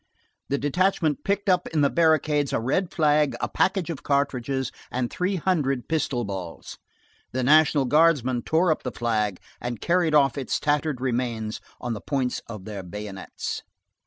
The detachment picked up in the barricade a red flag, a package of cartridges, and three hundred pistol balls. The National Guardsmen tore up the flag, and carried off its tattered remains on the points of their bayonets.